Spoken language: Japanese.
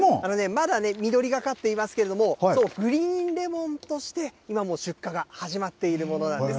まだね、緑がかっていますけれども、グリーンレモンとして、今もう出荷が始まっているものなんです。